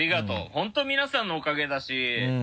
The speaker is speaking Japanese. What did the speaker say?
本当皆さんのおかげだし。